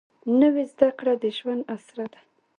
نوې زده کړه د ژوند اسره ده